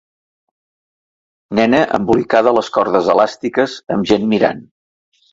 Nena embolicada a les cordes elàstiques amb gent mirant.